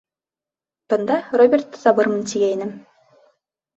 Бында Робертты табырмын тигәйнем.